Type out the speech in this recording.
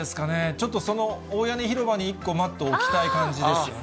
ちょっとその、大屋根広場に１個マットを置きたい感じですよね。